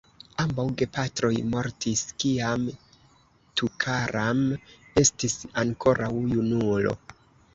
Ambaŭ gepatroj mortis kiam Tukaram estis ankoraŭ junulo.